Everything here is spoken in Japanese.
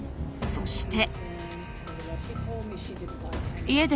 そして。